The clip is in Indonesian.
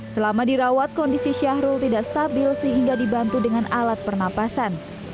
selama dirawat kondisi syahrul tidak stabil sehingga dibantu dengan alat pernapasan